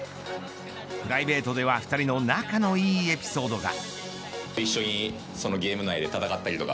プライベートでは２人の仲のいいエピソードが。